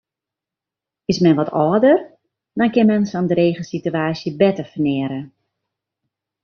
Is men wat âlder, dan kin men sa'n drege sitewaasje better ferneare.